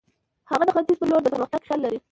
هغه د ختیځ پر لور د پرمختګ خیال لري.